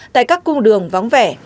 tại các cung đường vóng vẻ